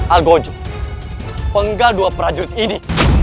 algojo penggal dua prajurit ini